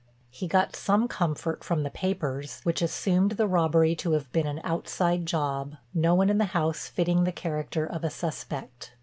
He got some comfort from the papers, which assumed the robbery to have been an "outside job"; no one in the house fitting the character of a suspect.